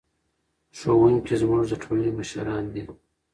ښوونکي زموږ د ټولنې مشران دي.